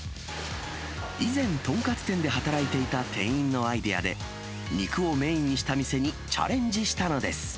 以前、豚カツ店で働いていた店員のアイデアで、肉をメインにした店にチャレンジしたのです。